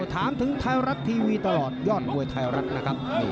ถามถึงไทยรัฐทีวีตลอดยอดมวยไทยรัฐนะครับ